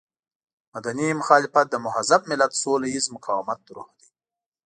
مدني مخالفت د مهذب ملت سوله ييز مقاومت روح دی.